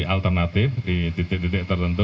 alternatif di titik titik tertentu